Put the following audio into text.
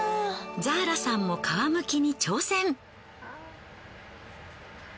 ザーラさんも皮むきに挑戦。